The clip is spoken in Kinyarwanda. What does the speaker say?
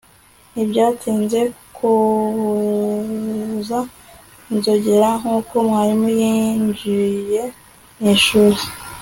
ntibyatinze kuvuza inzogera nkuko mwarimu yinjiye mwishuri